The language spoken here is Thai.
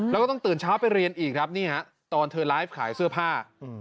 แล้วก็ต้องตื่นเช้าไปเรียนอีกครับนี่ฮะตอนเธอไลฟ์ขายเสื้อผ้า